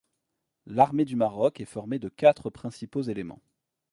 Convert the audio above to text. L'armée du Maroc est formée de quatre principaux éléments.